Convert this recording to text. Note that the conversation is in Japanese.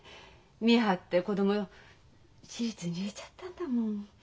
見え張って子供私立に入れちゃったんだもん。